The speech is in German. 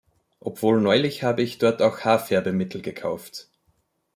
Obwohl neulich habe ich dort auch Haarfärbemittel gekauft.